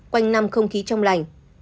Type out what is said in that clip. quanh nằm không khí trong lành